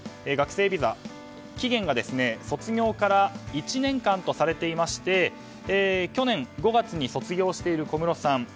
学生ビザ、期限が卒業から１年間とされていて去年５月に卒業している小室さん。